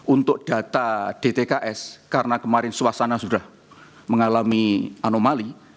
untuk data dtks karena kemarin suasana sudah mengalami anomali